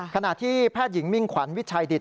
ขณะที่แพทย์หญิงมิ่งขวัญวิชัยดิต